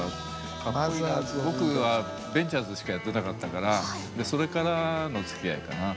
僕はベンチャーズしかやってなかったからそれからのつきあいかな。